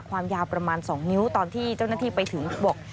ความยาวประมาณ๒นิ้วตอนที่เจ้าหน้าที่ไปถึงบอก